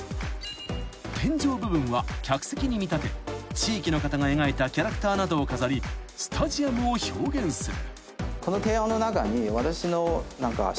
［天井部分は客席に見立て地域の方が描いたキャラクターなどを飾りスタジアムを表現する］